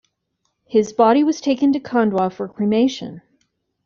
His body was taken to Khandwa for cremation.